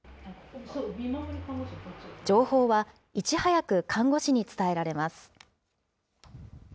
情報は、いち早く看護師に伝えられます。